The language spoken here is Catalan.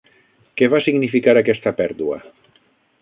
Què va significar aquesta pèrdua?